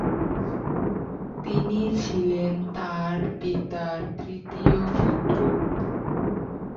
তিনি ছিলেন তাঁর পিতার তৃতীয় পুত্র।